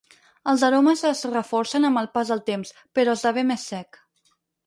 Els aromes es reforcen amb el pas del temps, però esdevé més sec.